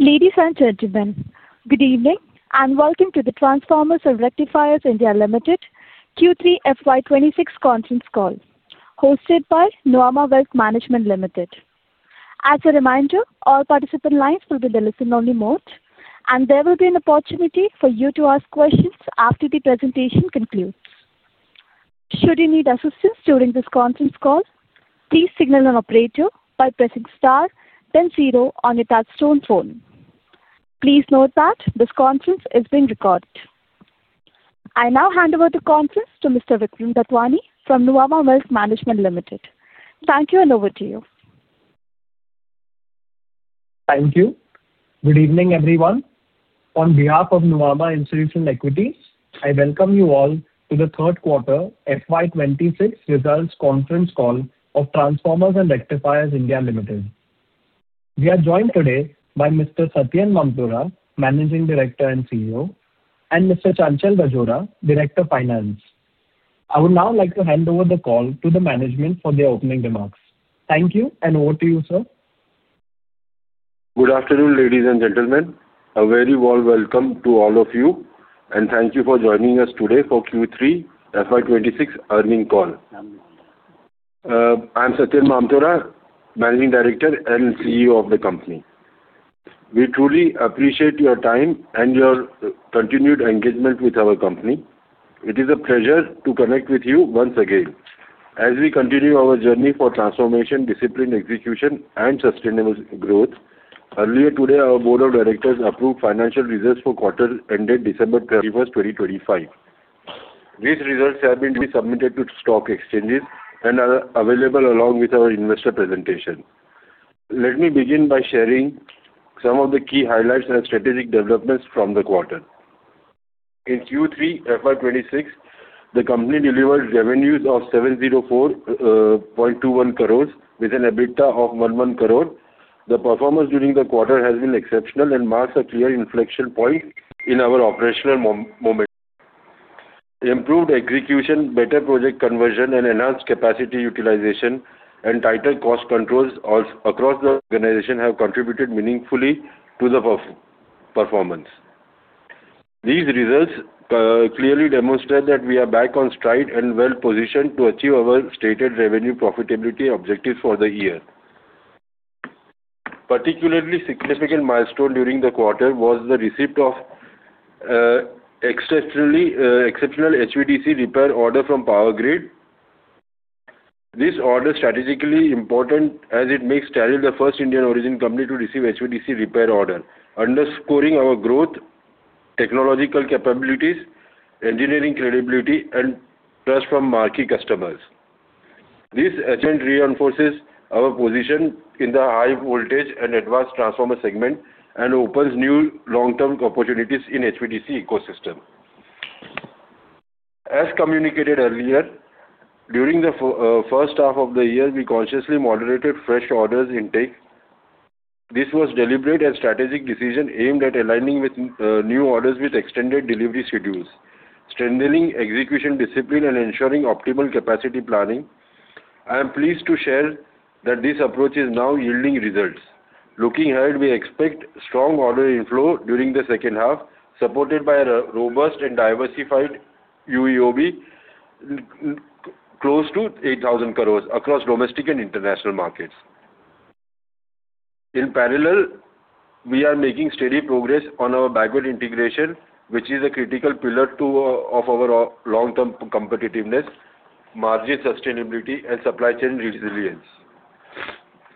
Ladies and gentlemen, good evening and welcome to the Transformers and Rectifiers (India) Limited Q3 FY26 conference call, hosted by Nuvama Wealth Management Limited. As a reminder, all participant lines will be the listen-only mode, and there will be an opportunity for you to ask questions after the presentation concludes. Should you need assistance during this conference call, please signal an operator by pressing star then zero on your touch-tone phone. Please note that this conference is being recorded. I now hand over the conference to Mr. Vikram Datwani from Nuvama Wealth Management Limited. Thank you and over to you. Thank you. Good evening, everyone. On behalf of Nuvama Institutional Equities, I welcome you all to the third quarter FY26 results conference call of Transformers and Rectifiers (India) Limited. We are joined today by Mr. Satyen Mamtora, Managing Director and CEO, and Mr. Chanchal Rajora, Director of Finance. I would now like to hand over the call to the management for their opening remarks. Thank you and over to you, sir. Good afternoon, ladies and gentlemen. A very warm welcome to all of you, and thank you for joining us today for Q3 FY26 earnings call. I'm Satyen Mamtora, Managing Director and CEO of the company. We truly appreciate your time and your continued engagement with our company. It is a pleasure to connect with you once again. As we continue our journey for transformation, discipline, execution, and sustainable growth, earlier today, our Board of Directors approved financial results for quarter ended December 31, 2025. These results have been submitted to stock exchanges and are available along with our investor presentation. Let me begin by sharing some of the key highlights and strategic developments from the quarter. In Q3 FY26, the company delivered revenues of 704.21 crores with an EBITDA of 11 crores. The performance during the quarter has been exceptional and marks a clear inflection point in our operational momentum. Improved execution, better project conversion, enhanced capacity utilization, and tighter cost controls across the organization have contributed meaningfully to the performance. These results clearly demonstrate that we are back on stride and well-positioned to achieve our stated revenue profitability objectives for the year. A particularly significant milestone during the quarter was the receipt of exceptional HVDC repair order from Power Grid. This order is strategically important as it makes TRIL the first Indian origin company to receive HVDC repair order, underscoring our growth, technological capabilities, engineering credibility, and trust from marquee customers. This again reinforces our position in the high-voltage and advanced transformer segment and opens new long-term opportunities in the HVDC ecosystem. As communicated earlier, during the first half of the year, we consciously moderated fresh orders intake. This was a deliberate and strategic decision aimed at aligning new orders with extended delivery schedules, strengthening execution discipline, and ensuring optimal capacity planning. I am pleased to share that this approach is now yielding results. Looking ahead, we expect strong order inflow during the second half, supported by a robust and diversified order book close to 8,000 crores across domestic and international markets. In parallel, we are making steady progress on our backward integration, which is a critical pillar of our long-term competitiveness, margin sustainability, and supply chain resilience.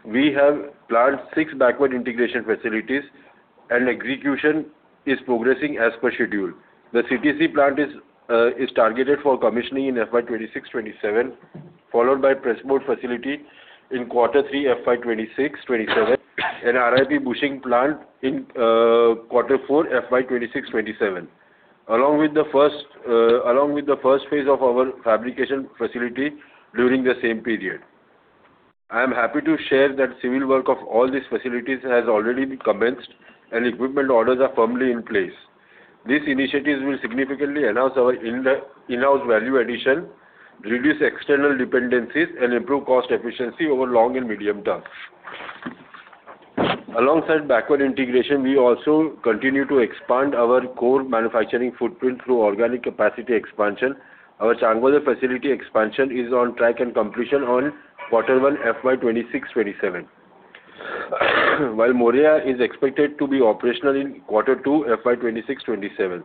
We have planned six backward integration facilities, and execution is progressing as per schedule. The CTC plant is targeted for commissioning in FY26-27, followed by a pressboard facility in Q3 FY26-27, and an RIP bushing plant in Q4 FY26-27, along with the first phase of our fabrication facility during the same period. I am happy to share that civil work of all these facilities has already been commenced, and equipment orders are firmly in place. These initiatives will significantly enhance our in-house value addition, reduce external dependencies, and improve cost efficiency over long and medium term. Alongside backward integration, we also continue to expand our core manufacturing footprint through organic capacity expansion. Our Changodar facility expansion is on track and completion on Q1 FY26-27, while Moraiya is expected to be operational in Q2 FY26-27.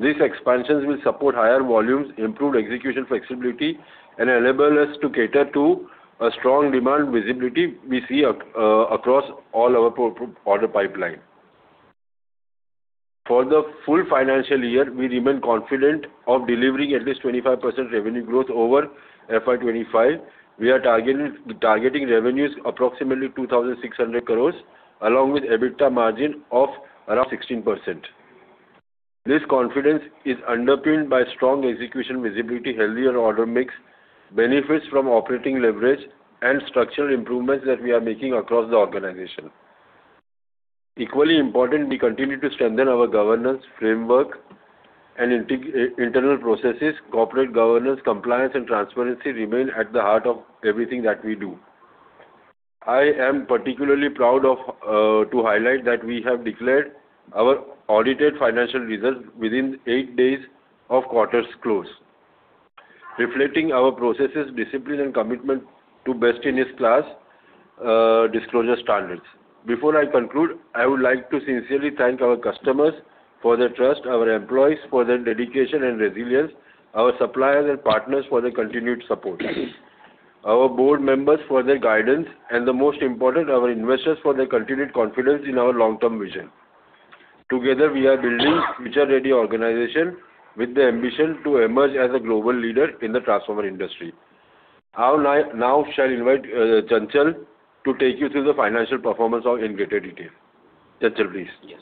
These expansions will support higher volumes, improve execution flexibility, and enable us to cater to a strong demand visibility we see across all our order pipeline. For the full financial year, we remain confident of delivering at least 25% revenue growth over FY25. We are targeting revenues of approximately 2,600 crores, along with an EBITDA margin of around 16%. This confidence is underpinned by strong execution visibility, healthier order mix, benefits from operating leverage, and structural improvements that we are making across the organization. Equally important, we continue to strengthen our governance framework and internal processes. Corporate governance, compliance, and transparency remain at the heart of everything that we do. I am particularly proud to highlight that we have declared our audited financial results within eight days of quarter's close, reflecting our processes, discipline, and commitment to best-in-class disclosure standards. Before I conclude, I would like to sincerely thank our customers for their trust, our employees for their dedication and resilience, our suppliers and partners for their continued support, our board members for their guidance, and the most important, our investors for their continued confidence in our long-term vision. Together, we are building a future-ready organization with the ambition to emerge as a global leader in the transformer industry. I now shall invite Chanchal to take you through the financial performance in greater detail. Chanchal, please. Yes.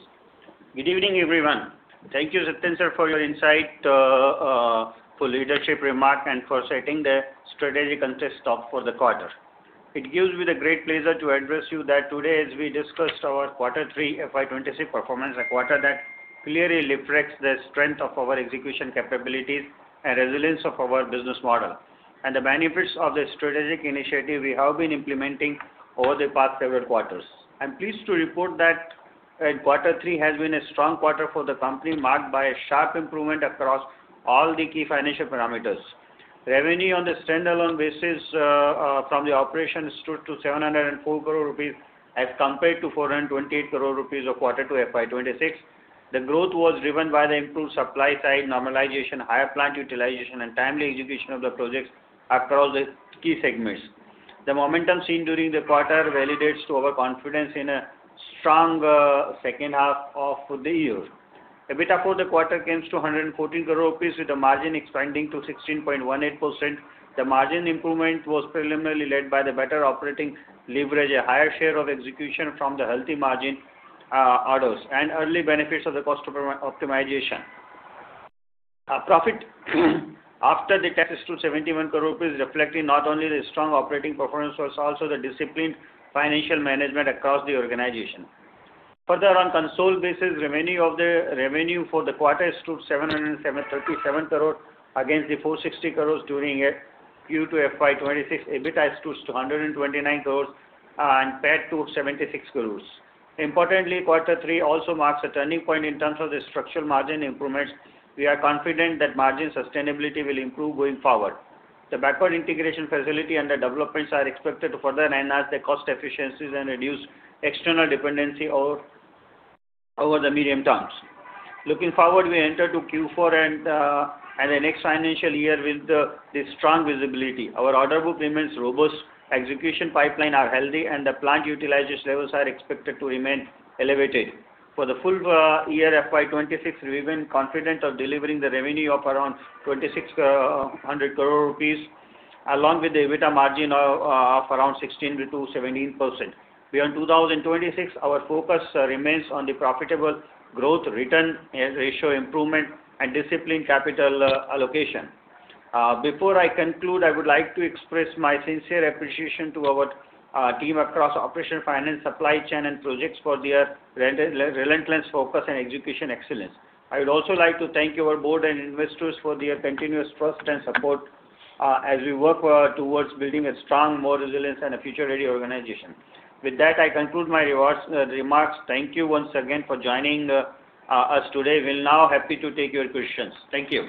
Good evening, everyone. Thank you, Satyen, sir, for your insights, for leadership remarks, and for setting the strategic stage for the quarter. It gives me great pleasure to address you today, as we discuss our Q3 FY26 performance, a quarter that clearly reflects the strength of our execution capabilities and resilience of our business model, and the benefits of the strategic initiatives we have been implementing over the past several quarters. I'm pleased to report that Q3 has been a strong quarter for the company, marked by a sharp improvement across all the key financial parameters. Revenue on the standalone basis from operations stood at 704 crores rupees as compared to 428 crores rupees of Q2 FY26. The growth was driven by the improved supply-side normalization, higher plant utilization, and timely execution of the projects across the key segments. The momentum seen during the quarter validates our confidence in a strong second half of the year. EBITDA for the quarter came to 114 crores rupees, with the margin expanding to 16.18%. The margin improvement was preliminarily led by the better operating leverage, a higher share of execution from the healthy margin orders, and early benefits of the cost optimization. Profit after tax is to 71 crores rupees, reflecting not only the strong operating performance but also the disciplined financial management across the organization. Further on a consolidated basis, revenue for the quarter stood 737 crores against the INR 460 crores during Q2 FY26. EBITDA stood to 129 crores and PAT to 76 crores. Importantly, Q3 also marks a turning point in terms of the structural margin improvements. We are confident that margin sustainability will improve going forward. The backward integration facility and the developments are expected to further enhance the cost efficiencies and reduce external dependency over the medium term. Looking forward, we enter Q4 and the next financial year with strong visibility. Our order book remains robust, execution pipelines are healthy, and the plant utilization levels are expected to remain elevated. For the full year FY26, we remain confident of delivering the revenue of around 2,600 crores rupees, along with the EBITDA margin of around 16%-17%. Beyond 2026, our focus remains on the profitable growth, return ratio improvement, and disciplined capital allocation. Before I conclude, I would like to express my sincere appreciation to our team across operation, finance, supply chain, and projects for their relentless focus and execution excellence. I would also like to thank our board and investors for their continuous trust and support as we work towards building a strong, more resilient, and future-ready organization. With that, I conclude my remarks. Thank you once again for joining us today. We're now happy to take your questions. Thank you.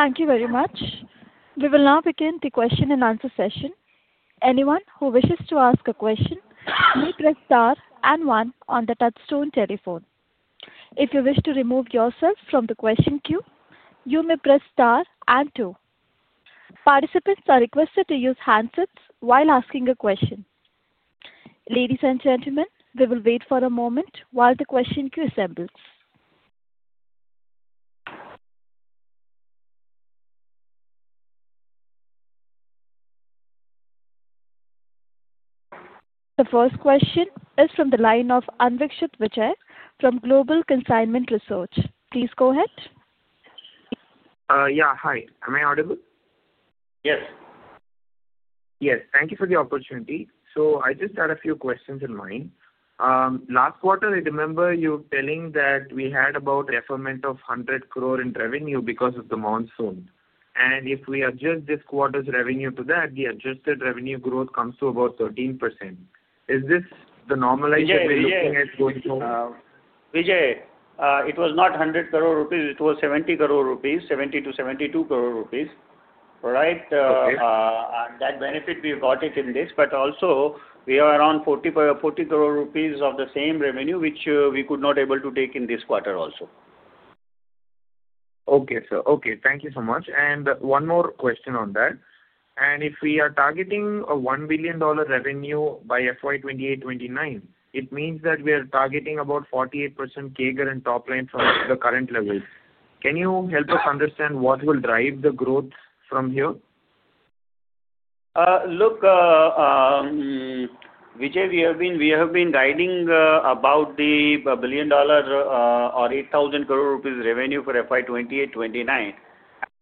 Thank you very much. We will now begin the question-and-answer session. Anyone who wishes to ask a question may press star and one on the touchstone telephone. If you wish to remove yourself from the question queue, you may press star and two. Participants are requested to use handsets while asking a question. Ladies and gentlemen, we will wait for a moment while the question queue assembles. The first question is from the line of Anviksha Vijay from Global Consignment Research. Please go ahead. Yeah. Hi. Am I audible? Yes. Yes. Thank you for the opportunity. So I just had a few questions in mind. Last quarter, I remember you telling that we had about a deferment of 100 crore in revenue because of the monsoon. And if we adjust this quarter's revenue to that, the adjusted revenue growth comes to about 13%. Is this the normalization we're looking at going forward? Vijay, it was not 100 crores rupees. It was 70 crores rupees, 70-72 crores rupees, right? And that benefit we got in this. But also, we are on 40 crores rupees of the same revenue, which we could not be able to take in this quarter also. Okay, sir. Okay. Thank you so much. And one more question on that. And if we are targeting a $1 billion revenue by FY28-29, it means that we are targeting about 48% CAGR and top line from the current level. Can you help us understand what will drive the growth from here? Look, Vijay, we have been guiding about the $1 billion or 8,000 crore rupees revenue for FY28-29. And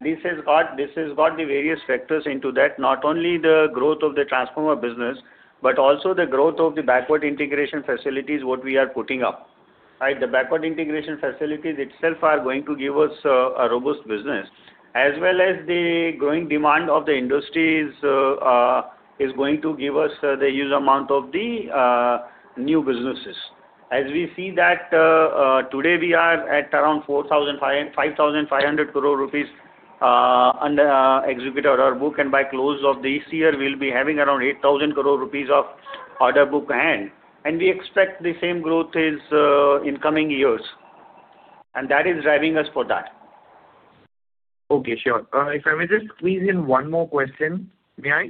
this has got the various factors into that, not only the growth of the transformer business, but also the growth of the backward integration facilities, what we are putting up. The backward integration facilities itself are going to give us a robust business, as well as the growing demand of the industries is going to give us the huge amount of the new businesses. As we see that today, we are at around 5,500 crore rupees executed on our book. And by close of this year, we'll be having around 8,000 crore rupees of order book in hand. And we expect the same growth in coming years. And that is driving us for that. Okay. Sure. If I may just squeeze in one more question, may I?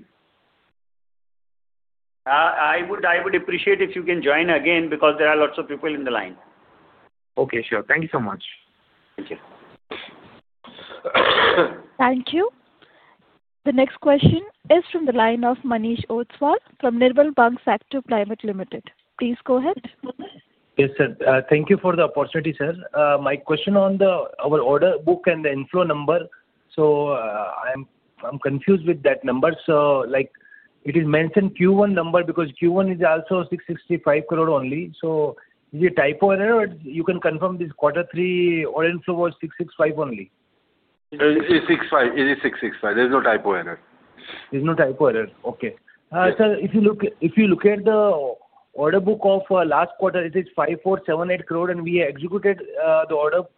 I would appreciate it if you can join again because there are lots of people in the line. Okay. Sure. Thank you so much. Thank you. Thank you. The next question is from the line of Manish Ostwal from Nirmal Bang Securities Private Limited. Please go ahead. Yes, sir. Thank you for the opportunity, sir. My question on our order book and the inflow number. So I'm confused with that number. So it is mentioned Q1 number because Q1 is also 665 crore only. So is it a typo error? You can confirm this Q3 order inflow was 665 only? It is 665. There is no typo error. There's no typo error. Okay. Sir, if you look at the order book of last quarter, it is 5,478 crore. And we executed the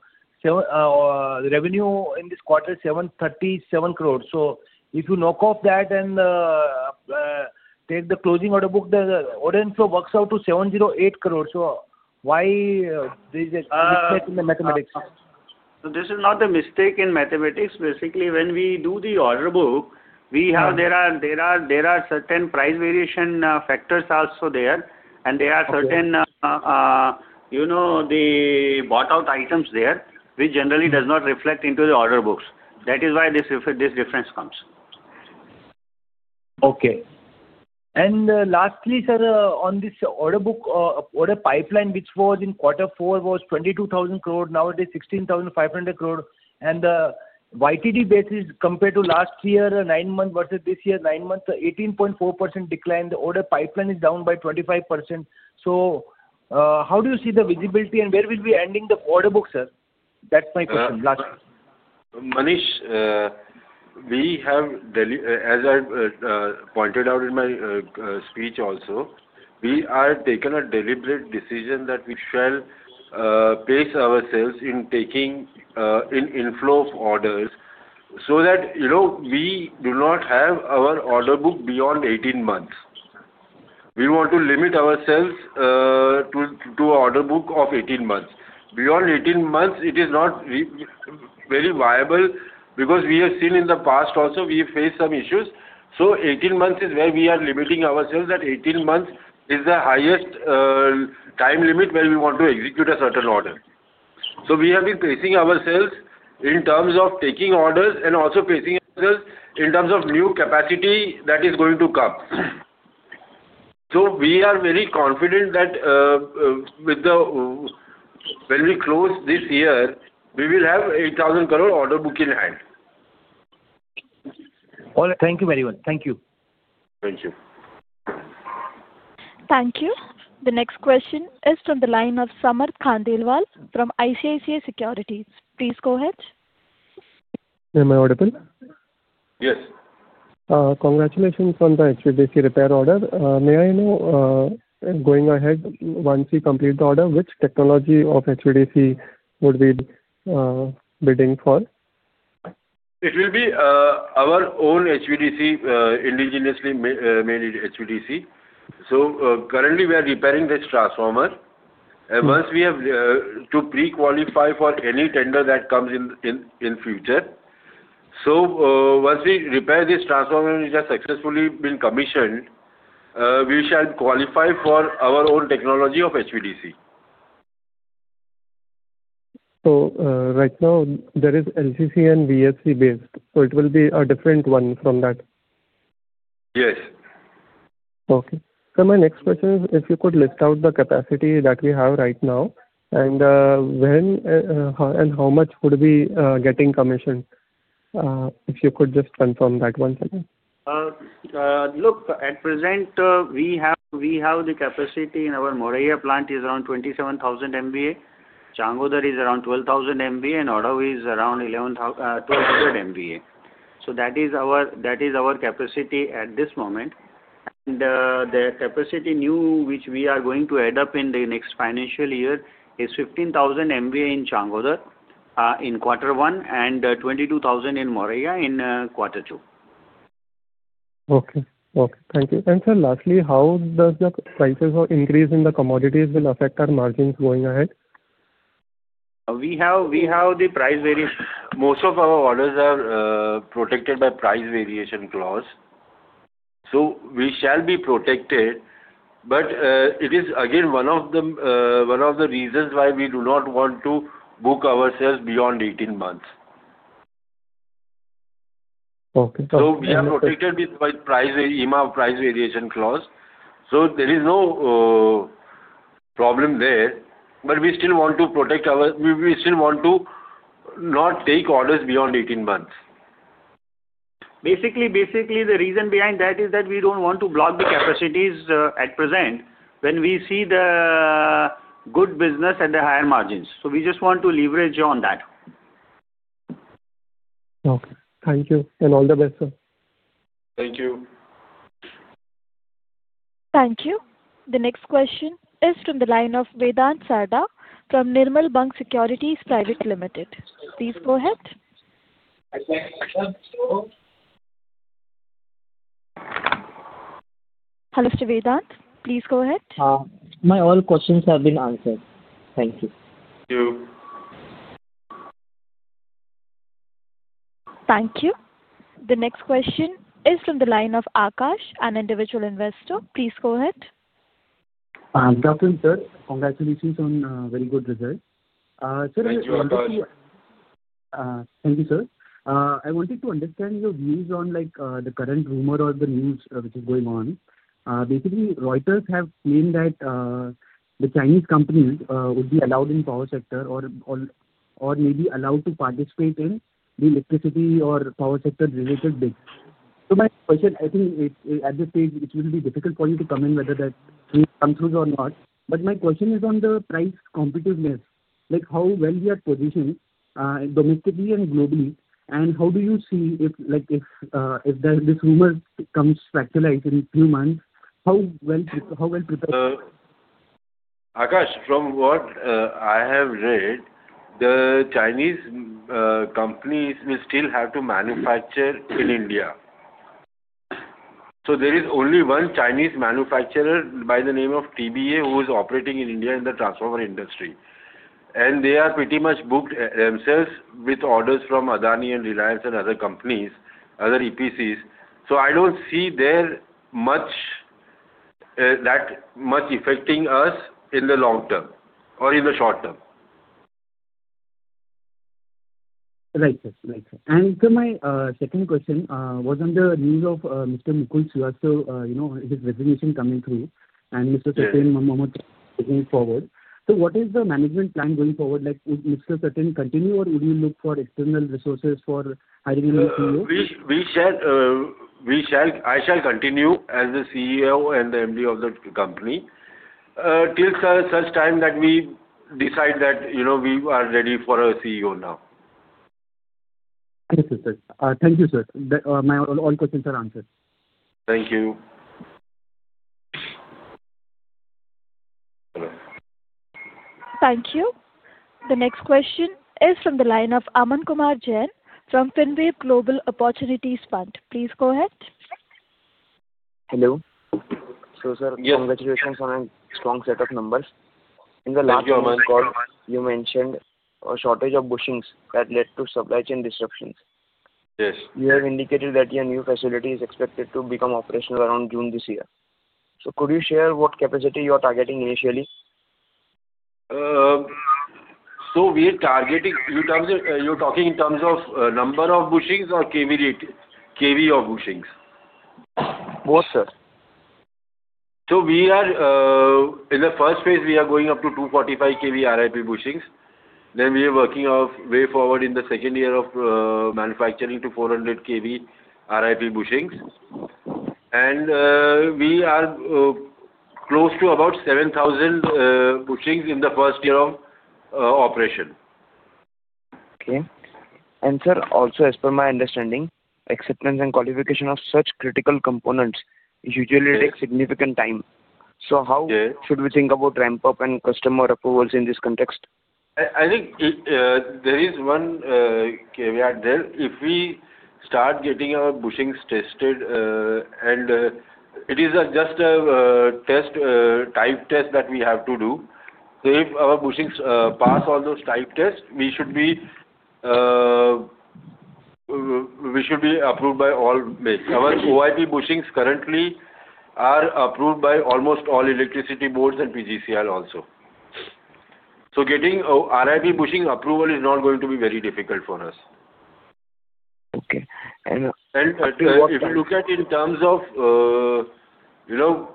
revenue in this quarter 737 crore. So if you knock off that and take the closing order book, the order inflow works out to 708 crore. So why is there a mistake in the mathematics? So this is not a mistake in mathematics. Basically, when we do the order book, there are certain price variation factors also there. And there are certain bought-out items there which generally do not reflect into the order books. That is why this difference comes. Okay. And lastly, sir, on this order pipeline, which was in Q4, was 22,000 crore. Now it is 16,500 crore. And the YTD basis compared to last year, nine months versus this year, nine months, 18.4% decline. The order pipeline is down by 25%. So how do you see the visibility, and where will we be ending the order book, sir? That's my question, last question. Manish, as I pointed out in my speech also, we have taken a deliberate decision that we shall pace ourselves in taking inflow of orders so that we do not have our order book beyond 18 months. We want to limit ourselves to an order book of 18 months. Beyond 18 months, it is not very viable because we have seen in the past also, we faced some issues. So 18 months is where we are limiting ourselves. That 18 months is the highest time limit where we want to execute a certain order. So we have been pacing ourselves in terms of taking orders and also pacing ourselves in terms of new capacity that is going to come. So we are very confident that when we close this year, we will have 8,000 crore order book in hand. All right. Thank you very much. Thank you. Thank you. Thank you. The next question is from the line of Samarth Khandelwal from ICICI Securities. Please go ahead. Am I audible? Yes. Congratulations on the HVDC repair order. May I know, going ahead, once you complete the order, which technology of HVDC would we be bidding for? It will be our own HVDC, indigenously made HVDC. So currently, we are repairing this transformer. Once we have to pre-qualify for any tender that comes in the future. So once we repair this transformer and it has successfully been commissioned, we shall qualify for our own technology of HVDC. Right now, there is LCC and VSC based. It will be a different one from that? Yes. Okay, so my next question is, if you could list out the capacity that we have right now and how much would we be getting commissioned? If you could just confirm that once again. Look, at present, we have the capacity in our Moraiya plant is around 27,000 MVA. Changodar is around 12,000 MVA, and Odhav is around 1,200 MVA. So that is our capacity at this moment. And the capacity new, which we are going to add up in the next financial year, is 15,000 MVA in Changodar in Q1 and 22,000 in Moraiya in Q2. Okay. Okay. Thank you. And sir, lastly, how does the prices or increase in the commodities will affect our margins going ahead? We have the Price Variation Clause. Most of our orders are protected by Price Variation Clause. So we shall be protected. But it is, again, one of the reasons why we do not want to book ourselves beyond 18 months. Okay. We are protected by Price Variation Clause. There is no problem there. But we still want to not take orders beyond 18 months. Basically, the reason behind that is that we don't want to block the capacities at present when we see the good business and the higher margins. We just want to leverage on that. Okay. Thank you and all the best, sir. Thank you. Thank you. The next question is from the line of Vedant Sarda from Nirmal Bang Securities Private Limited. Please go ahead. Hello, Mr. Vedant. Please go ahead. My all questions have been answered. Thank you. Thank you. Thank you. The next question is from the line of Akash, an individual investor. Please go ahead. Dr. Sir, congratulations on very good results. Sir, I wanted to thank you, sir. I wanted to understand your views on the current rumor or the news which is going on. Basically, Reuters have claimed that the Chinese companies would be allowed in the power sector or may be allowed to participate in the electricity or power sector-related bids. So my question, I think at this stage, it will be difficult for you to comment whether that came true or not. But my question is on the price competitiveness. How well we are positioned domestically and globally, and how do you see if this rumor comes factualized in a few months? How well prepared? Akash, from what I have read, the Chinese companies will still have to manufacture in India so there is only one Chinese manufacturer by the name of TBEA who is operating in India in the transformer industry and they are pretty much booked themselves with orders from Adani and Reliance and other companies, other EPCs so I don't see that much affecting us in the long term or in the short term. Right, sir. Right. And sir, my second question was on the news of Mr. Nikhil Srivastava, his resignation coming through, and Mr. Satyen Mamtora taking it forward. So what is the management plan going forward? Would Mr. Satyen Mamtora continue, or would you look for external resources for hiring a new CEO? I shall continue as the CEO and the MD of the company till such time that we decide that we are ready for a CEO now. Yes, sir. Thank you, sir. My all questions are answered. Thank you. Thank you. The next question is from the line of Aman Kumar Jain from FinWave Global Opportunities Fund. Please go ahead. Hello. So, sir, congratulations on a strong set of numbers. In the last call, you mentioned a shortage of bushings that led to supply chain disruptions. Yes. You have indicated that your new facility is expected to become operational around June this year. So could you share what capacity you are targeting initially? We are targeting. You're talking in terms of number of bushings or KV of bushings? Both, sir. So in the first phase, we are going up to 245 KV RIP bushings. Then we are working our way forward in the second year of manufacturing to 400 KV RIP bushings. And we are close to about 7,000 bushings in the first year of operation. Okay, and sir, also, as per my understanding, acceptance and qualification of such critical components usually takes significant time, so how should we think about ramp-up and customer approvals in this context? I think there is one caveat there. If we start getting our bushings tested, and it is just a type test that we have to do. So if our bushings pass all those type tests, we should be approved by all. Our OIP bushings currently are approved by almost all electricity boards and PGCIL also. So getting RIP bushing approval is not going to be very difficult for us. Okay. And. If you look at it in terms of the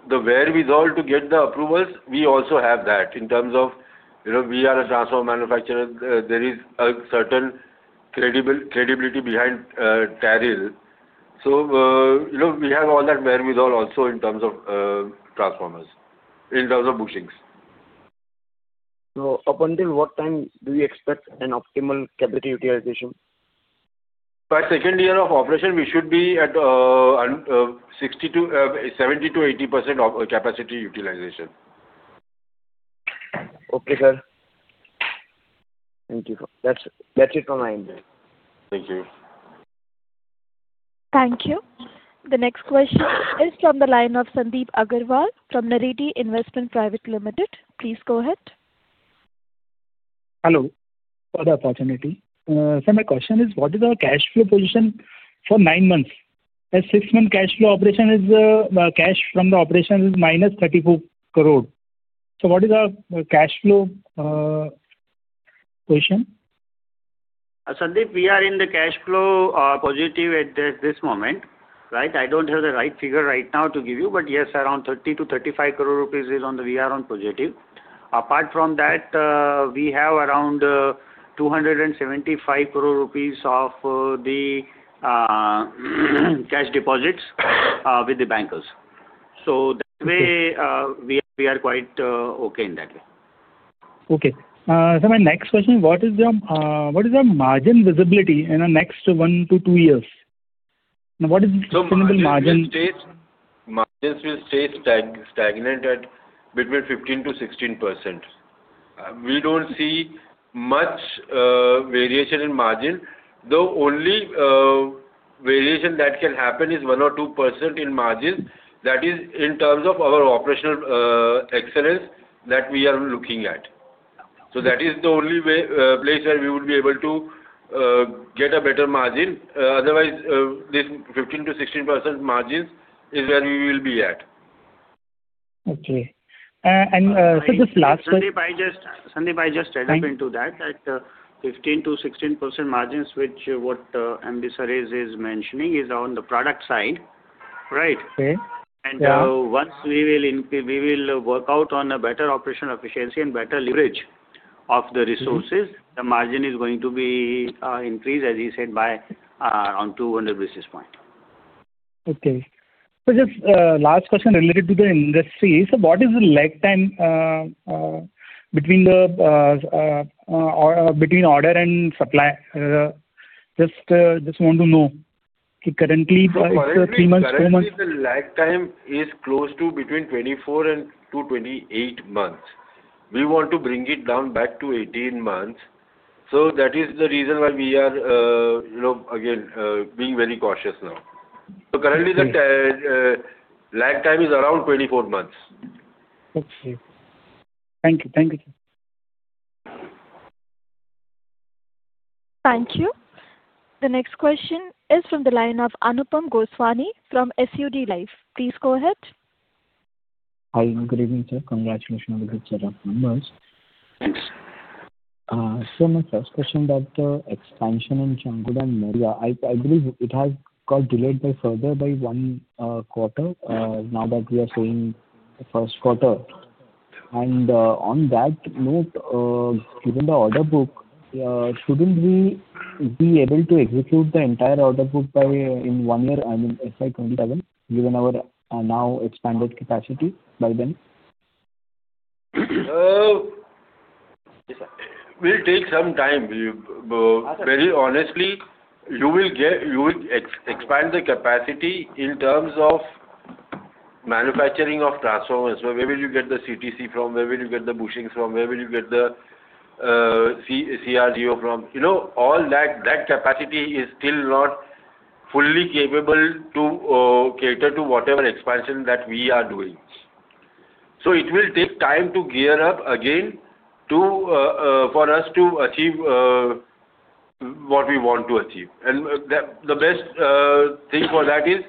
wherewithal to get the approvals, we also have that in terms of we are a transformer manufacturer. There is a certain credibility behind TRIL. So we have all that wherewithal also in terms of transformer bushings. So up until what time do we expect an optimal capacity utilization? By second year of operation, we should be at 70%-80% capacity utilization. Okay, sir. Thank you. That's it from my end. Thank you. Thank you. The next question is from the line of Sandeep Agarwal from Naredi Investments Private Limited. Please go ahead. Hello. Sir, my question is, what is our cash flow position for nine months? The six-month cash flow from operations is minus 34 crore. So what is our cash flow position? Sandeep, we are in the cash flow positive at this moment. Right? I don't have the right figure right now to give you. But yes, around 30 crore to 35 crore rupees is on the we are on positive. Apart from that, we have around 275 crore rupees of the cash deposits with the bankers. So that way, we are quite okay in that way. Okay, so my next question: what is the margin visibility in the next one to two years? What is the sustainable margin? Margins will stay stagnant at between 15%-16%. We don't see much variation in margin. The only variation that can happen is one or two% in margin. That is in terms of our operational excellence that we are looking at. So that is the only place where we would be able to get a better margin. Otherwise, this 15%-16% margin is where we will be at. Okay. And, sir, just last question. Sandeep, I just add on to that 15%-16% margins, which what MD sir is mentioning, is on the product side. Right? And once we will work out on a better operational efficiency and better leverage of the resources, the margin is going to be increased, as he said, by around 200 basis points. Okay. Just last question related to the industry. What is the lag time between order and supply? Just want to know. Currently, three months, four months. Currently, the lag time is close to between 24 and 28 months. We want to bring it down back to 18 months. So that is the reason why we are, again, being very cautious now. So currently, the lag time is around 24 months. Okay. Thank you. Thank you, sir. Thank you. The next question is from the line of Anupam Goswami from SUD Life. Please go ahead. Hi. Good evening, sir. Congratulations on the good set of numbers. Thanks. Sir, my first question about the expansion in Changodar and Moraiya. I believe it has got delayed further by one quarter now that we are seeing the first quarter. And on that note, given the order book, shouldn't we be able to execute the entire order book in one year, I mean, FY 2027, given our now expanded capacity by then? Yes, sir. It will take some time. Very honestly, you will expand the capacity in terms of manufacturing of transformers. Where will you get the CTC from? Where will you get the bushings from? Where will you get the CRGO from? All that capacity is still not fully capable to cater to whatever expansion that we are doing. So it will take time to gear up again for us to achieve what we want to achieve. And the best thing for that is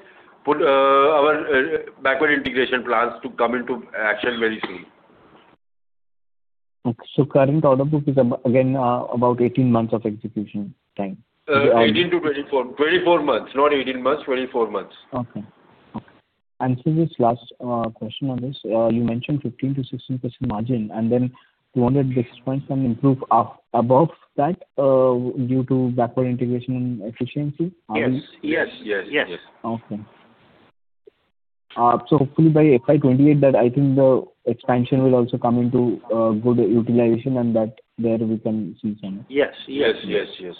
our backward integration plans to come into action very soon. Okay. So current order book is, again, about 18 months of execution time. 18 to 24. 24 months. Not 18 months. 24 months. Okay. Okay. And sir, just last question on this. You mentioned 15%-16% margin. And then 200 basis points can improve above that due to backward integration efficiency. Yes. Yes. Yes. Yes. Okay. So hopefully, by FY28, I think the expansion will also come into good utilization and that there we can see some. Yes. Yes. Yes. Yes.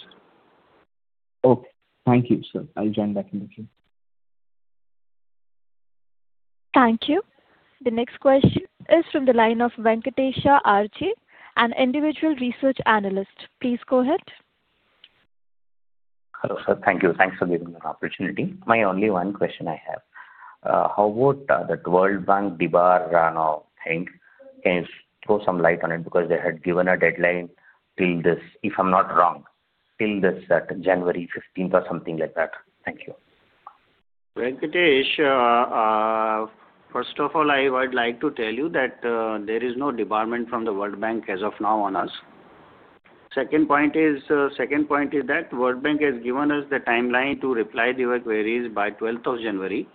Okay. Thank you, sir. I'll join back in a bit. Thank you. The next question is from the line of Venkatesh, an individual research analyst. Please go ahead. Hello, sir. Thank you. Thanks for giving me the opportunity. My only one question I have. How about that World Bank debarment thing? Can you throw some light on it? Because they had given a deadline till this, if I'm not wrong, till this January 15th or something like that. Thank you. Venkatesh, first of all, I would like to tell you that there is no debarment from the World Bank as of now on us. Second point is that World Bank has given us the timeline to reply to your queries by 12th of January.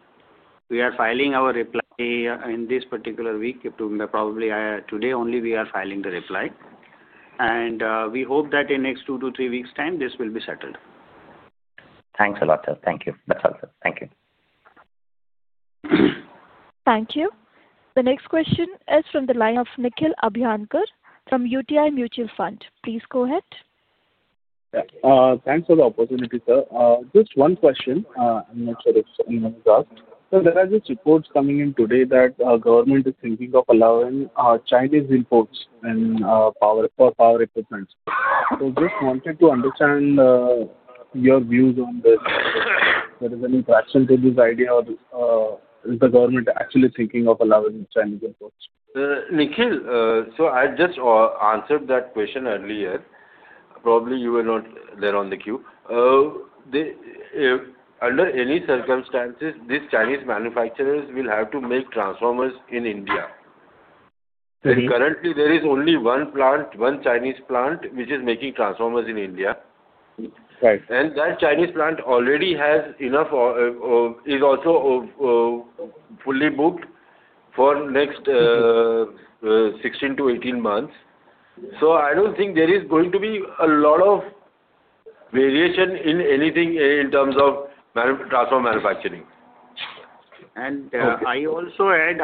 We are filing our reply in this particular week. Probably today only we are filing the reply. And we hope that in the next two to three weeks' time, this will be settled. Thanks a lot, sir. Thank you. That's all, sir. Thank you. Thank you. The next question is from the line of Nikhil Abhyankar from UTI Mutual Fund. Please go ahead. Thanks for the opportunity, sir. Just one question. I'm not sure if anyone has asked so there are these reports coming in today that government is thinking of allowing Chinese imports for power equipment, so just wanted to understand your views on this. Is there any traction to this idea or is the government actually thinking of allowing Chinese imports? Nikhil, so I just answered that question earlier. Probably you were not there on the queue. Under any circumstances, these Chinese manufacturers will have to make transformers in India. And currently, there is only one plant, one Chinese plant, which is making transformers in India. And that Chinese plant already has enough, is also fully booked for the next 16-18 months. So I don't think there is going to be a lot of variation in anything in terms of transformer manufacturing. And I also add,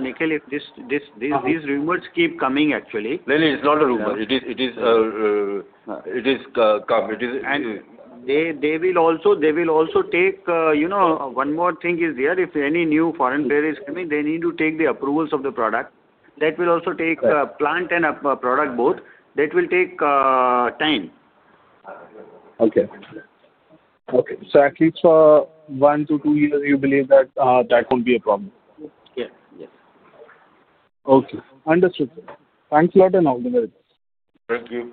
Nikhil, if these rumors keep coming, actually. No, no. It's not a rumor. It is come. They will also take one more thing is there. If any new foreign player is coming, they need to take the approvals of the product. That will also take plant and product both. That will take time. Okay. Okay. So at least for one to two years, you believe that that won't be a problem? Yes. Yes. Okay. Understood, sir. Thanks a lot and all the very best. Thank you.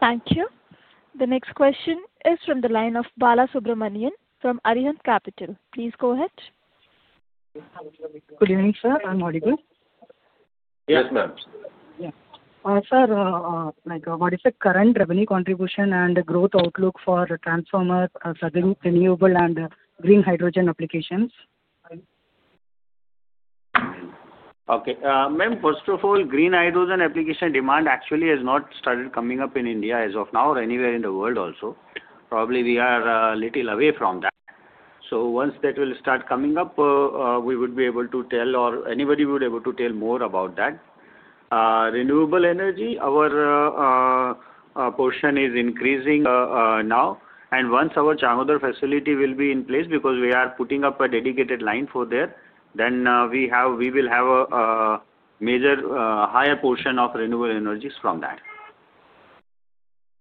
Thank you. The next question is from the line of Balasubramanian from Arihant Capital. Please go ahead. Good evening, sir. I'm Audible. Yes, ma'am. Yes. Sir, what is the current revenue contribution and growth outlook for transformer, renewable, and green hydrogen applications? Okay. Ma'am, first of all, green hydrogen application demand actually has not started coming up in India as of now or anywhere in the world also. Probably we are a little away from that. So once that will start coming up, we would be able to tell or anybody would be able to tell more about that. Renewable energy, our portion is increasing now. And once our Changodar facility will be in place because we are putting up a dedicated line for there, then we will have a higher portion of renewable energies from that.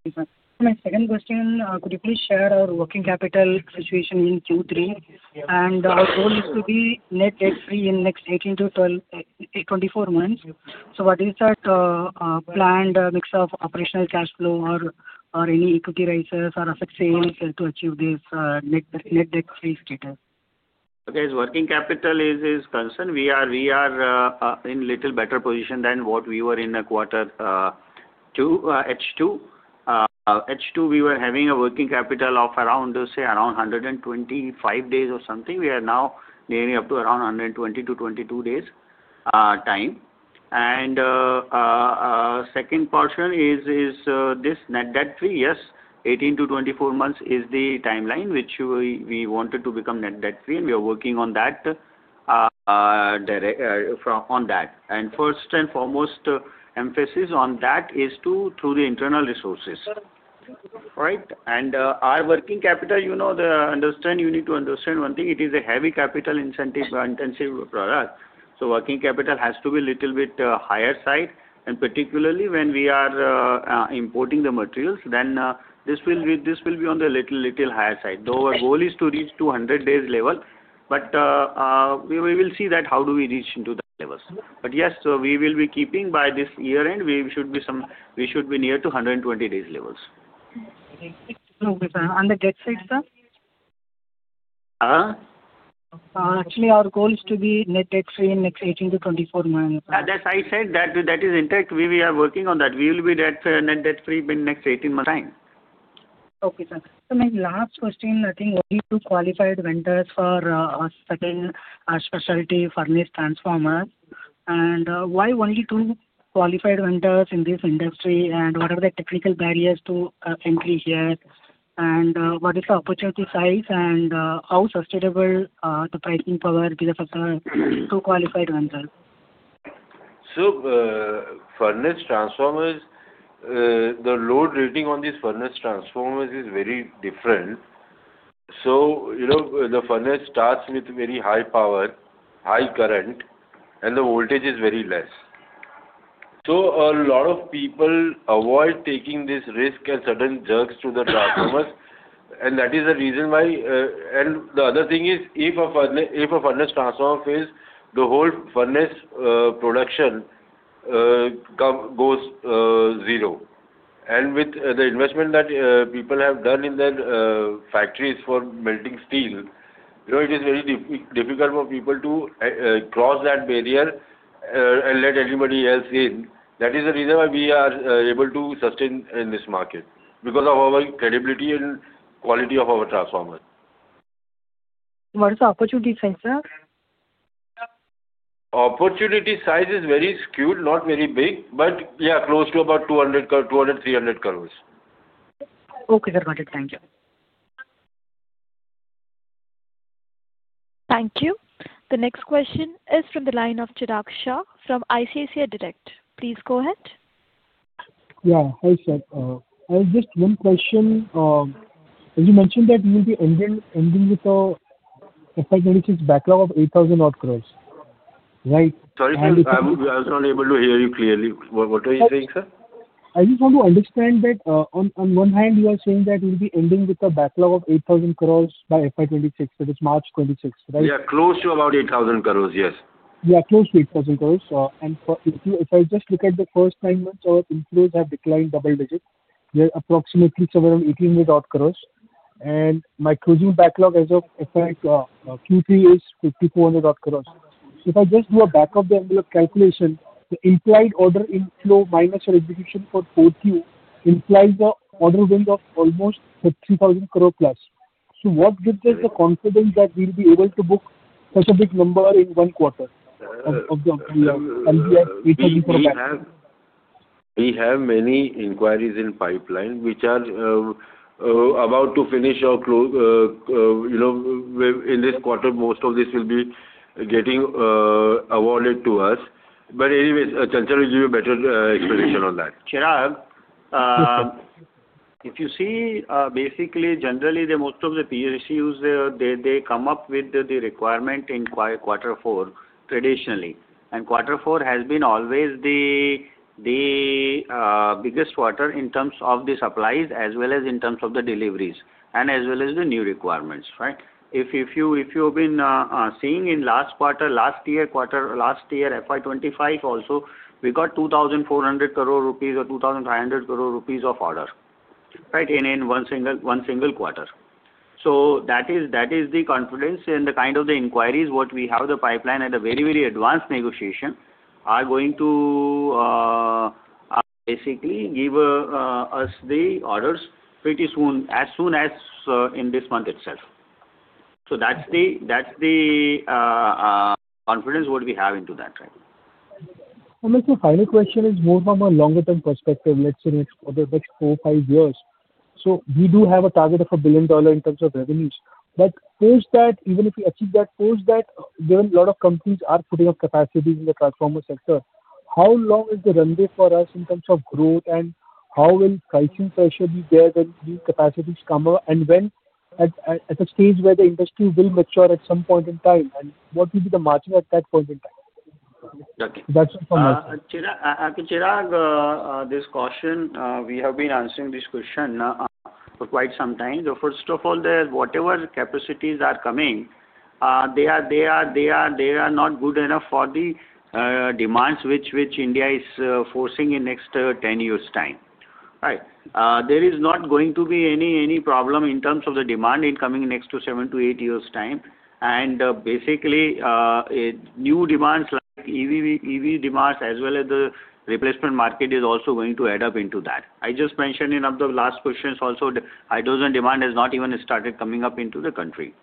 Yes, ma'am. My second question, could you please share our working capital situation in Q3? And our goal is to be net debt-free in the next 18-24 months. So what is that planned mix of operational cash flow or any equity raises or asset sales to achieve this net debt-free status? Okay. As working capital is concerned, we are in a little better position than what we were in the quarter H2. H2, we were having a working capital of around, say, around 125 days or something. We are now nearing up to around 120-122 days time. And second portion is this net debt-free. Yes, 18-24 months is the timeline which we wanted to become net debt-free. And we are working on that. And first and foremost, emphasis on that is through the internal resources. Right? And our working capital, you need to understand one thing. It is a heavy capital intensive product. So working capital has to be a little bit higher side. And particularly when we are importing the materials, then this will be on the little higher side. Though our goal is to reach 200 days level. But we will see that, how do we reach into that levels. But yes, we will be keeping by this year-end, we should be near to 120 days levels. Okay. Okay, sir. On the debt side, sir? Huh? Actually, our goal is to be net debt-free in the next 18-24 months. Yes, I said that is intact. We are working on that. We will be net debt-free in the next 18 months' time. Okay, sir. So my last question, I think, only to qualified vendors for our specialty furnace transformers. And why only to qualified vendors in this industry? And what are the technical barriers to entry here? And what is the opportunity size? And how sustainable the pricing power will be to qualified vendors? Furnace transformers, the load rating on these furnace transformers is very different. The furnace starts with very high power, high current, and the voltage is very less. A lot of people avoid taking this risk and sudden jerks to the transformers. That is the reason why. The other thing is if a furnace transformer is the whole furnace production goes zero. With the investment that people have done in their factories for melting steel, it is very difficult for people to cross that barrier and let anybody else in. That is the reason why we are able to sustain in this market because of our credibility and quality of our transformers. What is the opportunity size, sir? Opportunity size is very skewed, not very big, but yeah, close to about 200-300 crores. Okay, sir. Got it. Thank you. Thank you. The next question is from the line of Chirag Shah from ICICI Direct. Please go ahead. Yeah. Hi, sir. Just one question. As you mentioned that you will be ending with an FY26 backlog of 8,000-odd crores. Right? Sorry, sir. I was not able to hear you clearly. What are you saying, sir? I just want to understand that on one hand, you are saying that you will be ending with a backlog of 8,000 crores by FY 26. That is March 2026. Right? Yeah. Close to about 8,000 crores. Yes. Yeah. Close to 8,000 crores. And if I just look at the first nine months, our inflows have declined double digits. We are approximately somewhere around 1,800 odd crores. And my closing backlog as of Q3 is 5,400 odd crores. If I just do a back-of-the-envelope calculation, the implied order inflow minus your execution for Q4 implies an order win of almost 3,000 crores plus. So what gives us the confidence that we will be able to book such a big number in one quarter of the full INR 8,000 crores backlog? We have many inquiries in pipeline which are about to finish or in this quarter. Most of this will be getting awarded to us. But anyways, Chanchal will give you a better explanation on that. Chirag, if you see, basically, generally, most of the PSUs, they come up with the requirement in Q4 traditionally. Q4 has been always the biggest quarter in terms of the supplies as well as in terms of the deliveries and as well as the new requirements. Right? If you have been seeing in last quarter, last year, FY25 also, we got INR 2,400 crores or INR 2,500 crores of orders. Right? In one single quarter. So that is the confidence and the kind of the inquiries what we have the pipeline at a very, very advanced negotiation are going to basically give us the orders pretty soon, as soon as in this month itself. So that's the confidence what we have into that. Right? And my final question is more from a longer-term perspective. Let's say next four, five years. So we do have a target of $1 billion in terms of revenues. But post that, even if we achieve that, post that, given a lot of companies are putting up capacity in the transformer sector, how long is the runway for us in terms of growth and how will pricing pressure be there when these capacities come up? And at a stage where the industry will mature at some point in time, and what will be the margin at that point in time? Okay. That's it from my side. Chirag, this question, we have been answering this question for quite some time. First of all, whatever capacities are coming, they are not good enough for the demands which India is forcing in the next 10 years' time. Right? There is not going to be any problem in terms of the demand in coming next to seven to eight years' time. And basically, new demands like EV demands as well as the replacement market is also going to add up into that. I just mentioned in the last questions also, hydrogen demand has not even started coming up into the country.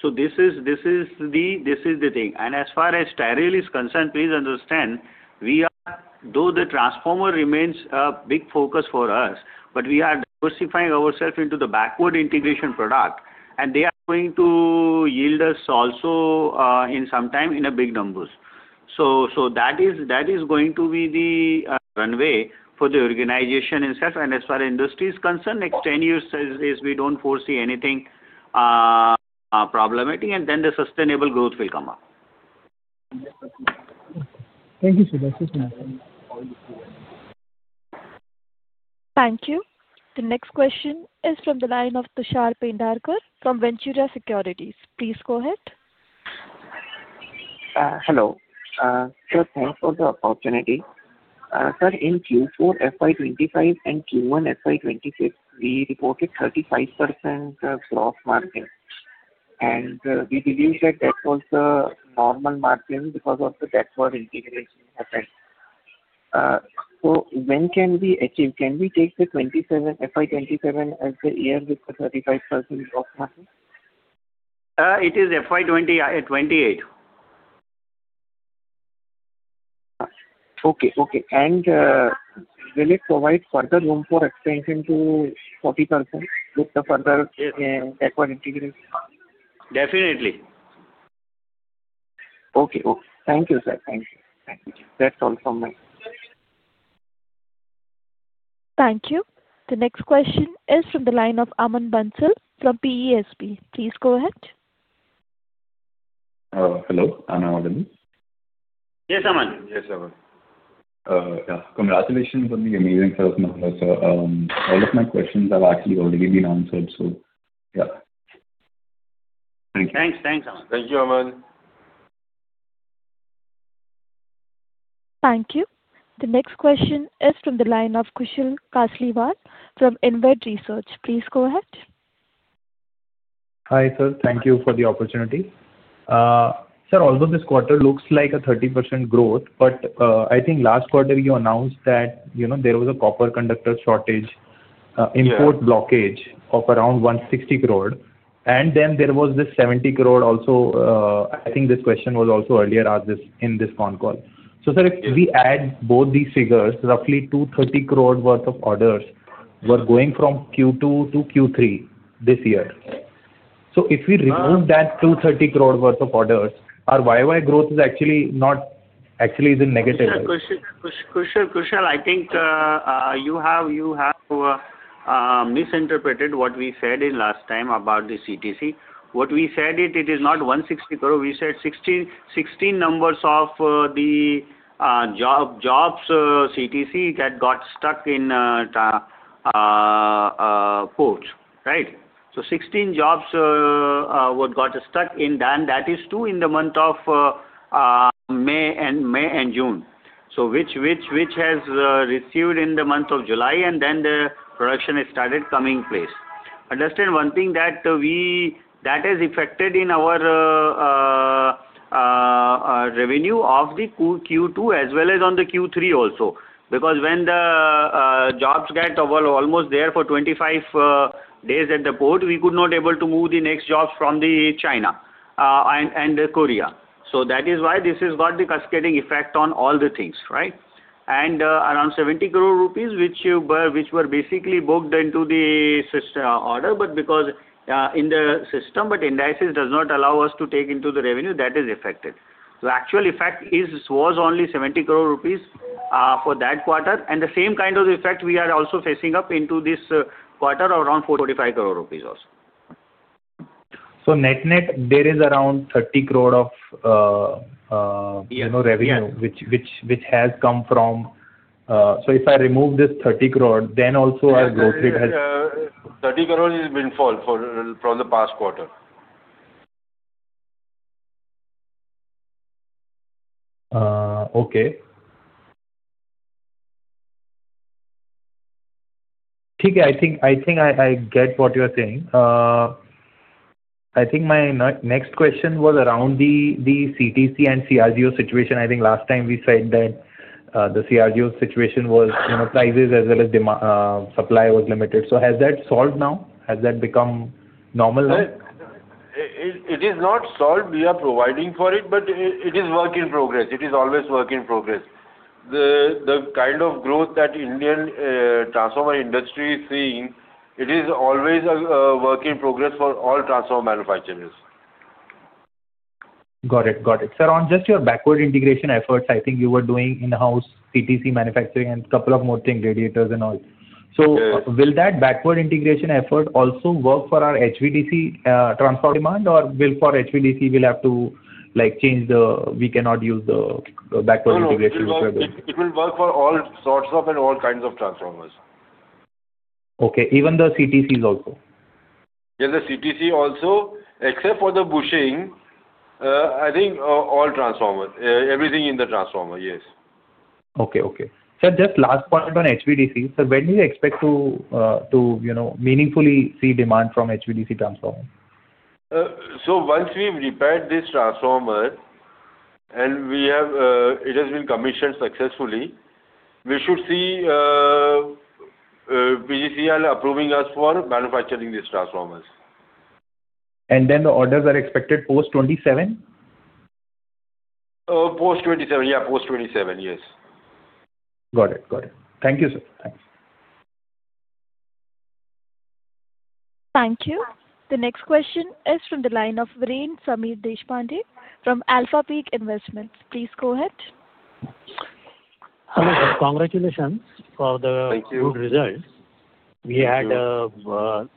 So this is the thing. And as far as TRIL is concerned, please understand, though the transformer remains a big focus for us, but we are diversifying ourselves into the backward integration product. And they are going to yield us also in some time in big numbers. So that is going to be the runway for the organization itself. And as far as industry is concerned, next 10 years, says we don't foresee anything problematic. And then the sustainable growth will come up. Thank you, sir. That's it from my side. Thank you. The next question is from the line of Tushar Pendharkar from Ventura Securities. Please go ahead. Hello. Sir, thanks for the opportunity. Sir, in Q4 FY25 and Q1 FY26, we reported 35% gross margin, and we believe that that was the normal margin because of the backward integration effect, so when can we achieve? Can we take the FY27 as the year with the 35% gross margin? It is FY 28. And will it provide further room for expansion to 40% with the further backward integration? Definitely. Okay. Thank you, sir. Thank you. That's all from me. Thank you. The next question is from the line of Aman Bansal from Prabhudas Lilladher. Please go ahead. Hello. I'm Aman Bansal. Yes, Aman. Yes, Aman. Congratulations on the amazing first number. Sir, all of my questions have actually already been answered. So yeah. Thank you. Thanks. Thanks, Aman. Thank you, Aman. Thank you. The next question is from the line of Kushal Kasliwal from InVed Research. Please go ahead. Hi, sir. Thank you for the opportunity. Sir, although this quarter looks like a 30% growth, but I think last quarter you announced that there was a copper conductor shortage, import blockage of around 160 crores. And then there was this 70 crores also. I think this question was also earlier asked in this phone call. So sir, if we add both these figures, roughly 230 crores worth of orders were going from Q2 to Q3 this year. So if we remove that 230 crores worth of orders, our YY growth is actually not actually in negative risk. Kushal, I think you have misinterpreted what we said last time about the CTC. What we said, it is not 160 crores. We said 16 numbers of the CTC jobs that got stuck in ports. Right? So 16 jobs got stuck, that is two in the month of May and June. So which has received in the month of July, and then the production has started taking place. Understand one thing that is affected in our revenue of the Q2 as well as on the Q3 also. Because when the jobs got stuck there for 25 days at the port, we could not be able to move the next jobs from China and Korea. So that is why this has got the cascading effect on all the things. Right? And around 70 crores rupees which were basically booked into the order, but because in the system, but Ind AS does not allow us to take into the revenue, that is affected. The actual effect was only 70 crores rupees for that quarter. And the same kind of effect we are also facing up into this quarter around 45 crores rupees also. So net net, there is around 30 crores of revenue which has come from. So if I remove this 30 crores, then also our growth rate has. 30 crores has fallen from the past quarter. Okay. I think I get what you are saying. I think my next question was around the CTC and CRGO situation. I think last time we said that the CRGO situation was prices as well as supply was limited. So has that solved now? Has that become normal now? It is not solved. We are providing for it, but it is work in progress. It is always work in progress. The kind of growth that Indian transformer industry is seeing, it is always a work in progress for all transformer manufacturers. Got it. Got it. Sir, on just your backward integration efforts, I think you were doing in-house CTC manufacturing and a couple of more things, radiators and all. So, will that backward integration effort also work for our HVDC transformer demand, or will for HVDC we'll have to change the we cannot use the backward integration? It will work for all sorts of and all kinds of transformers. Okay. Even the CTCs also? Yeah. The CTC also. Except for the bushing, I think all transformer. Everything in the transformer. Yes. Okay. Sir, just last point on HVDC. Sir, when do you expect to meaningfully see demand from HVDC transformer? So once we've repaired this transformer and it has been commissioned successfully, we should see PGCIL approving us for manufacturing these transformers. And then the orders are expected post 2027? Post 2027. Yeah. Post 2027. Yes. Got it. Got it. Thank you, sir. Thanks. Thank you. The next question is from the line of Viren Deshpande from Alpha eak Investments. Please go ahead. Hello, sir. Congratulations for the good results. We had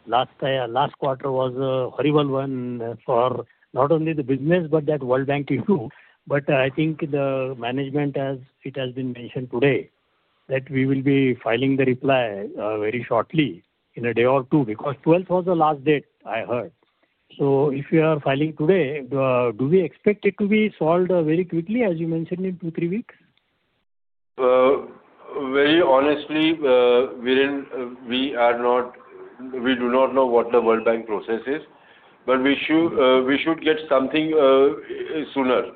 last quarter was a horrible one for not only the business, but that World Bank issue. But I think the management, as it has been mentioned today, that we will be filing the reply very shortly in a day or two because 12th was the last date I heard. So if we are filing today, do we expect it to be solved very quickly, as you mentioned, in two, three weeks? Very honestly, we do not know what the World Bank process is. But we should get something sooner.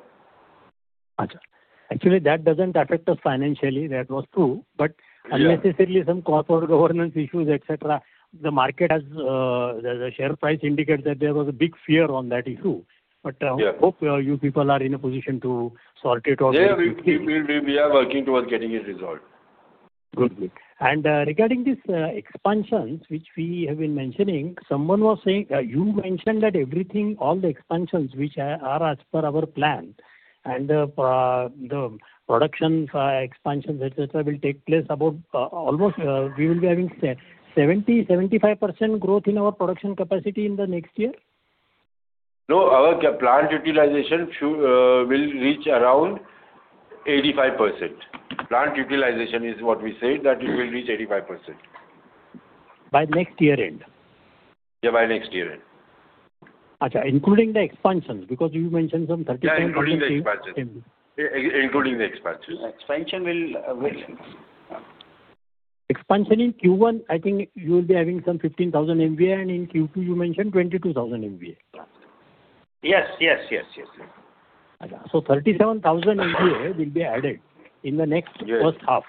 Actually, that doesn't affect us financially. That was true, but, unnecessarily, some cost or governance issues, etc., the market has. The share price indicates that there was a big fear on that issue, but I hope you people are in a position to sort it out. Yeah. We are working towards getting it resolved. Good. And regarding this expansions which we have been mentioning, someone was saying you mentioned that all the expansions which are as per our plan and the production expansions, etc., will take place about almost we will be having 70%-75% growth in our production capacity in the next year? No. Our plant utilization will reach around 85%. Plant utilization is what we say that it will reach 85%. By next year end? Yeah. By next year end. Achha, including the expansions because you mentioned some 37,000. Yeah. Including the expansions. Expansion in Q1, I think you will be having some 15,000 MVA. And in Q2, you mentioned 22,000 MVA. Yes. Yes. Yes. Yes. So 37,000 MVA will be added in the next first half.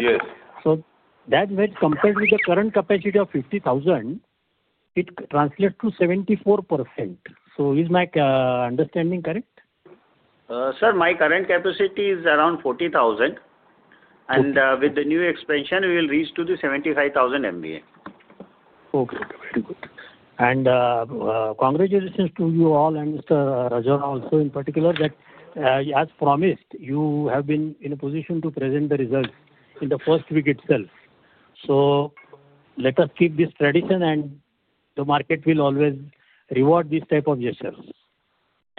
Yes. So that means compared with the current capacity of 50,000, it translates to 74%. So is my understanding correct? Sir, my current capacity is around 40,000, and with the new expansion, we will reach to the 75,000 MVA. Okay. Very good. And congratulations to you all and Mr. Rajora also in particular that as promised, you have been in a position to present the results in the first week itself. So let us keep this tradition, and the market will always reward this type of gestures.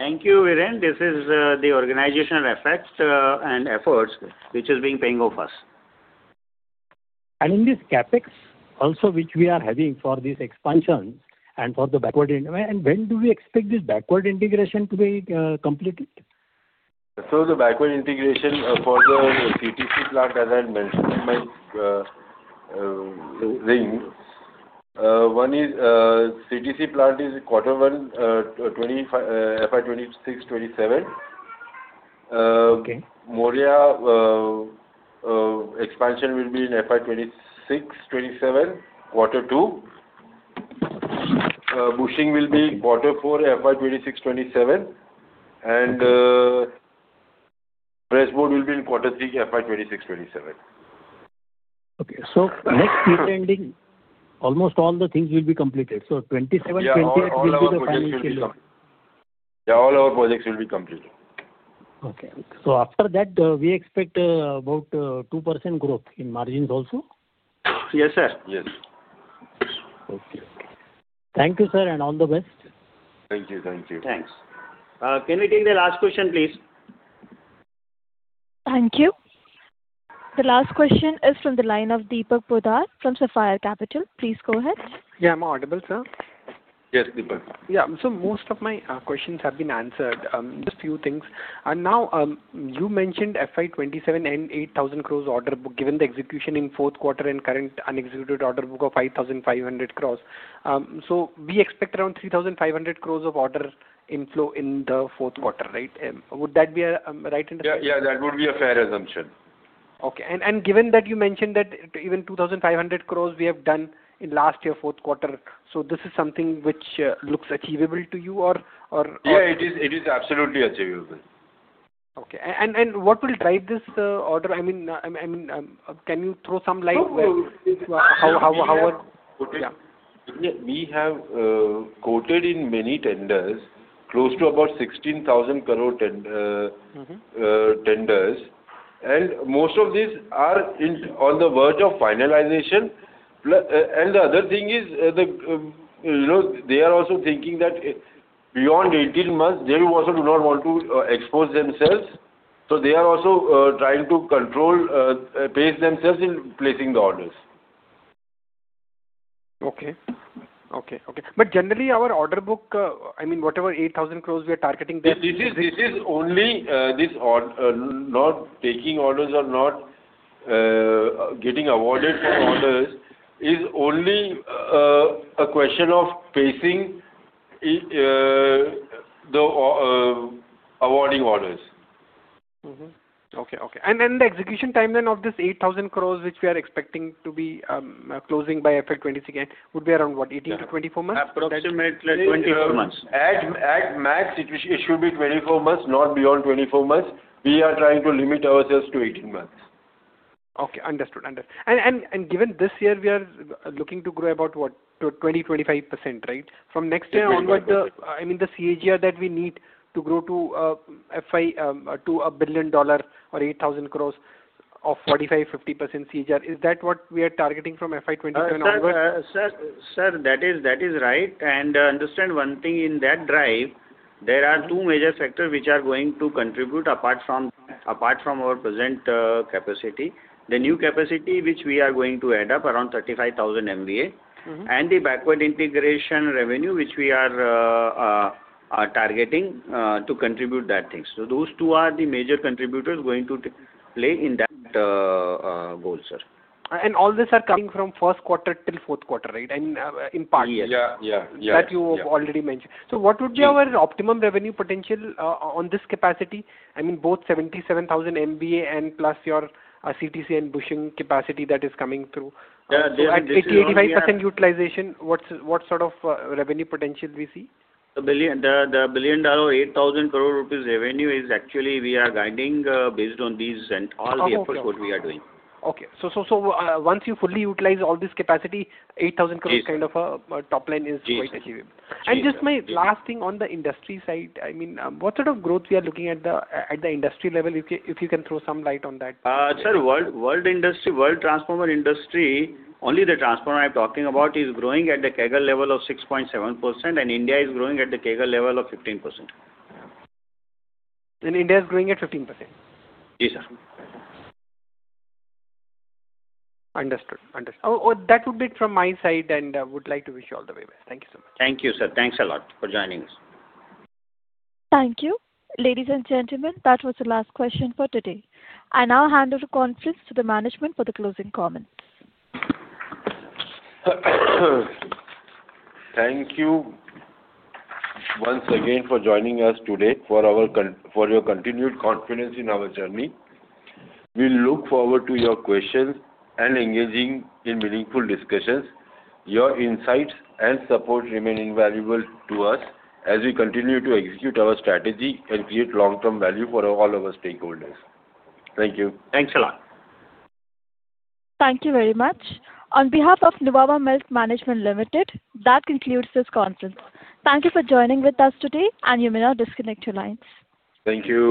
Thank you, Viren. This is the organizational effect and efforts which is being paying off us. And in this CapEx also which we are having for this expansion and for the backward, and when do we expect this backward integration to be completed? The backward integration for the CTC plant, as I mentioned in my thing, one is CTC plant quarter one, FY 2026, 2027. Moraiya expansion will be in FY 2026, 2027, quarter two. Bushing will be quarter four, FY 2026, 2027. Pressboard will be in quarter three, FY 2026, 2027. Okay, so next year ending, almost all the things will be completed, so 27, 28 will be the financial year. Yeah. All our projects will be completed. Okay. So after that, we expect about 2% growth in margins also? Yes, sir. Yes. Okay. Thank you, sir, and all the best. Thank you. Thank you. Thanks. Can we take the last question, please? Thank you. The last question is from the line of Deepak Poddar from Sapphire Capital. Please go ahead. Yeah. I'm audible, sir? Yes, Deepak. Yeah. So most of my questions have been answered. Just a few things. Now, you mentioned FY27 and 8,000 crores order book given the execution in fourth quarter and current unexecuted order book of 5,500 crores. So we expect around 3,500 crores of order inflow in the fourth quarter. Right? Would that be a right understanding? Yeah. Yeah. That would be a fair assumption. Okay. And given that you mentioned that even 2,500 crores we have done in last year fourth quarter, so this is something which looks achievable to you or? Yeah. It is absolutely achievable. Okay. And what will drive this order? I mean, can you throw some light on how? So we have quoted in many tenders close to about 16,000 crore tenders. And most of these are on the verge of finalization. And the other thing is they are also thinking that beyond 18 months, they also do not want to expose themselves. So they are also trying to control pace themselves in placing the orders. But generally, our order book, I mean, whatever 8,000 crores we are targeting there. This is only not taking orders or not getting awarded for orders, is only a question of pacing the awarding orders. Okay. And then the execution timeline of this 8,000 crores which we are expecting to be closing by FY 26 would be around what? 18-24 months? Approximately 24 months. At max, it should be 24 months, not beyond 24 months. We are trying to limit ourselves to 18 months. Okay. Understood. Understood. And given this year, we are looking to grow about what? 20%-25%. Right? From next year onward, I mean, the CAGR that we need to grow to a billion dollar or 8,000 crores of 45%-50% CAGR, is that what we are targeting from FY27 onward? Sir, that is right. Understand one thing, in that drive, there are two major factors which are going to contribute apart from our present capacity. The new capacity which we are going to add up around 35,000 MVA and the backward integration revenue which we are targeting to contribute that things. Those two are the major contributors going to play in that goal, sir. And all these are coming from first quarter till fourth quarter, right? In part. Yeah. Yeah. Yeah. That you already mentioned. So what would be our optimum revenue potential on this capacity? I mean, both 77,000 MVA and plus your CTC and bushing capacity that is coming through. Yeah. They are the. 80%-85% utilization, what sort of revenue potential do we see? The $1 billion or 8,000 crore rupees revenue is actually, we are guiding based on these and all the efforts what we are doing. Okay, so once you fully utilize all this capacity, 8,000 crores kind of a top line is quite achievable. Yes. Yes. Yes. Just my last thing on the industry side. I mean, what sort of growth we are looking at the industry level if you can throw some light on that? Sir, the world transformer industry, only the transformer I'm talking about, is growing at the CAGR level of 6.7%, and India is growing at the CAGR level of 15%. India is growing at 15%? Yes, sir. Understood. Understood. That would be it from my side, and I would like to wish you all the very best. Thank you so much. Thank you, sir. Thanks a lot for joining us. Thank you. Ladies and gentlemen, that was the last question for today. I now hand over conference to the management for the closing comments. Thank you once again for joining us today for your continued confidence in our journey. We look forward to your questions and engaging in meaningful discussions. Your insights and support remain invaluable to us as we continue to execute our strategy and create long-term value for all of our stakeholders. Thank you. Thanks a lot. Thank you very much. On behalf of Nuvama Wealth Management Limited, that concludes this conference. Thank you for joining with us today, and you may now disconnect your lines. Thank you.